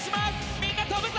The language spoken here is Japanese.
みんな飛ぶぞ！